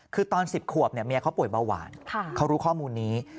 คือตอน๑๐ขวบเมียเขาป่วยเบาหวานเขารู้ข้อมูลนี้